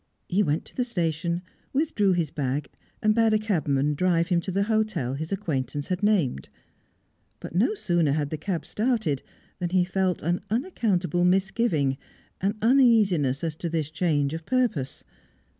He went to the station, withdrew his bag, and bade a cabman drive him to the hotel his acquaintance had named. But no sooner had the cab started than he felt an unaccountable misgiving, an uneasiness as to this change of purpose.